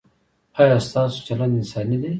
ایا ستاسو چلند انساني دی؟